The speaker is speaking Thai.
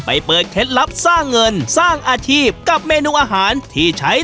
เปิดเคล็ดลับสร้างเงินสร้างอาชีพกับเมนูอาหารที่ใช้